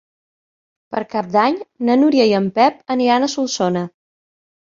Per Cap d'Any na Núria i en Pep aniran a Solsona.